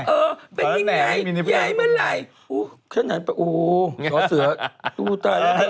เออเป็นยังไงย้ายเมื่อไหร่ฉันหันไปโอ้เสือสู้ตายแล้ว